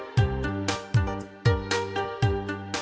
chung cung thức